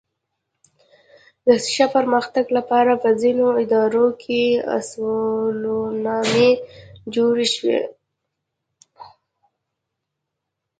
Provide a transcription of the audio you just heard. د کارونو د ښه پرمختګ لپاره په ځینو ادارو کې اصولنامې جوړې شوې.